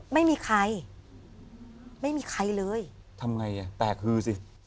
ไม่มีใครไม่มีใครเลยทำไงอ่ะแตกฮือสิ